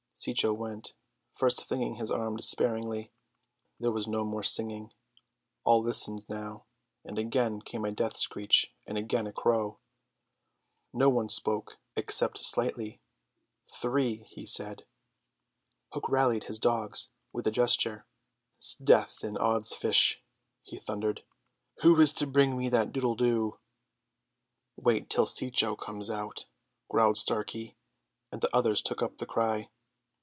Cecco went, first flinging his arms despairingly. There was no more singing, all listened now; and again came a death screech and again a crow. No one spoke except Slightly. "Three," he said. Hook rallied his dogs with a gesture. "'S'death and odds fish," he thundered, "who is to bring me that doodle doo?" "Wait till Cecco comes out," growled Starkey, and the others took up the cry.